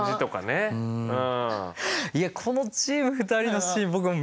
いやこのチーム２人のシーン